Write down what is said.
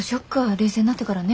冷静になってからね。